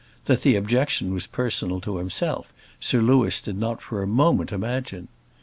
That the objection was personal to himself, Sir Louis did not for a moment imagine.